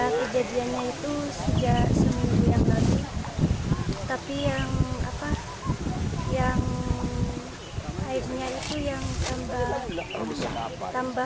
kejadiannya itu sejak seminggu yang lalu tapi yang apa yang airnya itu yang tambah